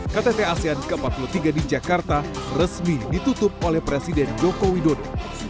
ktt asean ke empat puluh tiga di jakarta resmi ditutup oleh presiden joko widodo